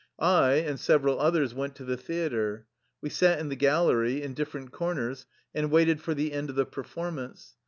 I and several others went to the theater. We sat in the gallery, in different corners, and waited for the end of the performance.